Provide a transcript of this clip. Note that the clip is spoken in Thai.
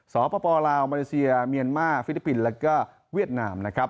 สาวประปอลาวเมริเซียเมียนมาร์ฟิลิปปินส์และเวียดนาม